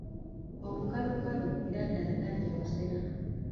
Omukalukalu era ddala tajja busera.